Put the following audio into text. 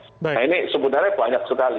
nah ini sebenarnya banyak sekali